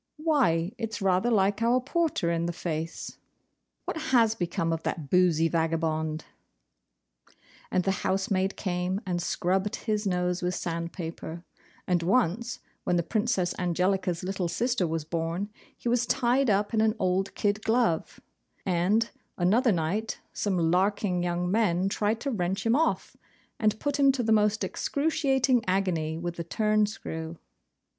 Why, it's rather like our porter in the face! What has become of that boozy vagabond?' And the house maid came and scrubbed his nose with sandpaper; and once, when the Princess Angelica's little sister was born, he was tied up in an old kid glove; and, another night, some LARKING young men tried to wrench him off, and put him to the most excruciating agony with a turn screw.